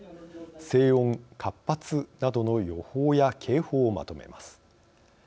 「静穏」「活発」などの予報や警報をまとめます。